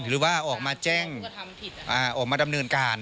หรือว่าออกมาแจ้งออกมาดำเนินการ